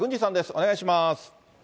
お願いします。